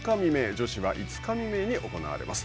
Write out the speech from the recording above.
女子は５日未明に行われます。